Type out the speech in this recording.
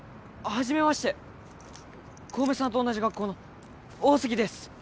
はじめまして小梅さんと同じ学校の大杉です